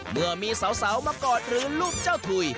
เมื่อมีสาวมากอดหรือรูปเจ้าถุย